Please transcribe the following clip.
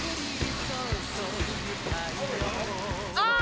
ああ！